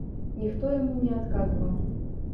Ніхто яму не адказваў.